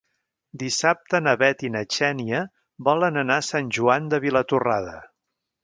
Dissabte na Bet i na Xènia volen anar a Sant Joan de Vilatorrada.